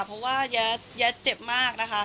เพราะว่าแย้เจ็บมากนะคะ